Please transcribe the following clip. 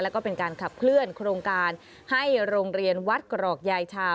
แล้วก็เป็นการขับเคลื่อนโครงการให้โรงเรียนวัดกรอกยายชา